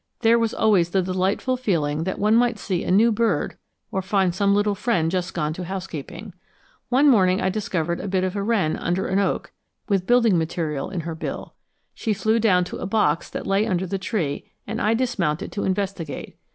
There was always the delightful feeling that one might see a new bird or find some little friend just gone to housekeeping. One morning I discovered a bit of a wren under an oak with building material in her bill. She flew down to a box that lay under the tree and I dismounted to investigate.